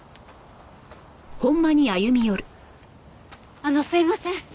あのすみません。